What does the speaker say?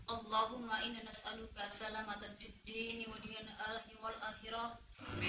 allahumma inna saluka salamatan fi jilini wa diyan alihi wa al akhirah